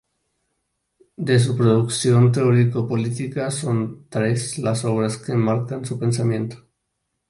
De su producción teórico-política son tres las obras que enmarcan su pensamiento.